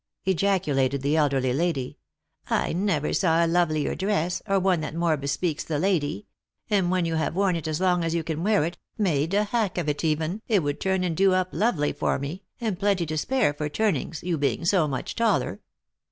ejaculated the elderly lady; " I never saw a lovelier dress, or one that more bespeaks the lady ; and when you have worn it as long as you can wear it, made a hack of it even, it would turn and do up lovely for me, and plenty to spare for turnings, you being so much taller."